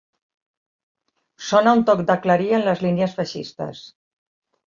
Sona un toc de clarí en les línies feixistes